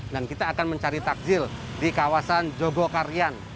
dan kita akan mencari takjil di kawasan jogokaryan